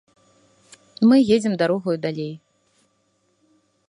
Мы едзем дарогаю далей.